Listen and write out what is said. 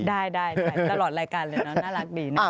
ได้ตลอดรายการเลยเนอะน่ารักดีนะ